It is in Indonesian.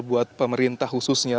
buat pemerintah khususnya